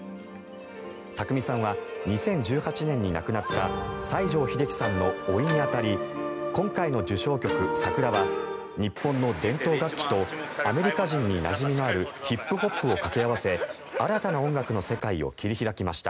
宅見さんは２０１８年に亡くなった西城秀樹さんのおいに当たり今回の受賞曲「Ｓａｋｕｒａ」は日本の伝統楽器とアメリカ人になじみのあるヒップをかけ合わせ新たな音楽の世界を切り開きました。